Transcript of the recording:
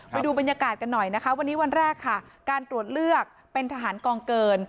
ไปดูบรรยากาศกันหน่อยนะคะวันนี้วันแรกค่ะการตรวจเลือกเป็นทหารกองเกิน